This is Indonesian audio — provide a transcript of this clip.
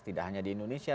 tidak hanya di indonesia